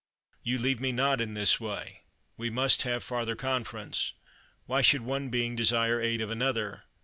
you leave me not in this way; we must have farther conference. Why should one being desire aid of another?